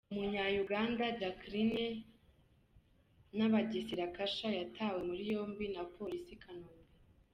Umunya-Uganda Jackline Nabagesera Kasha yatawe muri yombi na Polisi i Kanombe